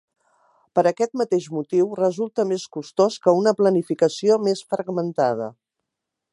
Per aquest mateix motiu resulta més costós que una planificació més fragmentada.